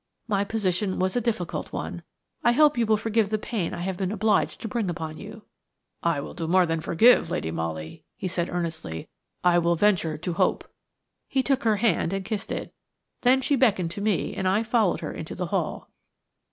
My position was a difficult one. I hope you will forgive the pain I have been obliged to bring upon you." "I will do more than forgive, Lady Molly," he said earnestly, "I will venture to hope." He took her hand and kissed it. Then she beckoned to me and I followed her into the hall.